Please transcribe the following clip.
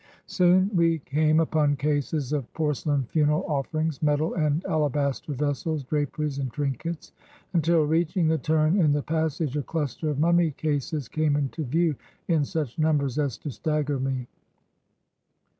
"Soon we came upon cases of porcelain funeral offer ings, metal and alabaster vessels, draperies and trinkets, until, reaching the turn in the passage, a cluster of mummy cases came into view in such numbers as to stagger me.